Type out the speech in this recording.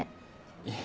いえ。